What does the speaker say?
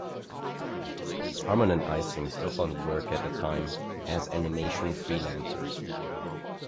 Harman and Ising still found work at the time as animation freelancers.